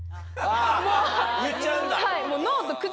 言っちゃうんだ。